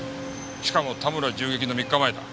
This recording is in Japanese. しかも田村銃撃の３日前だ。